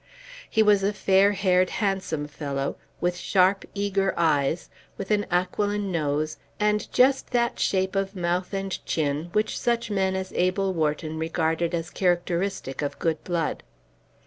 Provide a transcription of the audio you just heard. He was a fair haired, handsome fellow, with sharp, eager eyes, with an aquiline nose, and just that shape of mouth and chin which such men as Abel Wharton regarded as characteristic of good blood.